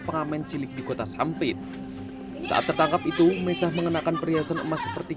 pengamen cilik di kota sampit saat tertangkap itu mesah mengenakan perhiasan emas seperti